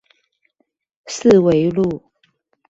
四維路